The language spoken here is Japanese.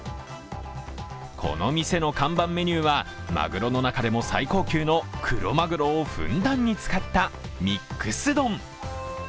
この店の看板メニューはマグロの中でも最高級のクロマグロをふんだんに使ったミックス丼。